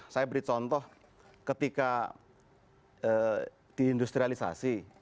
saya beri contoh ketika diindustrialisasi